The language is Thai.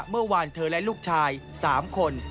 เมื่อวานเธอและลูกชาย๓คน